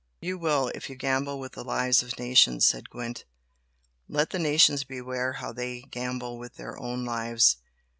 "You will, if you gamble with the lives of nations!" said Gwent. "Let the nations beware how they gamble with their own lives!"